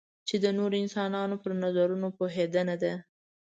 چې د نورو انسانانو پر نظرونو پوهېدنه ده.